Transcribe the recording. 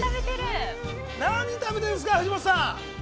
何食べてるんですか藤本さん。